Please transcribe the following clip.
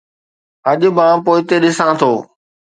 اڄ مان پوئتي ڏسان ٿو.